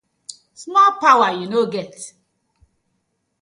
Small powar yu no get.